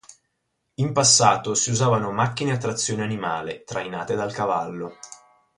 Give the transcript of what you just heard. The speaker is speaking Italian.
In passato si usavano macchine a trazione animale, trainate dal cavallo.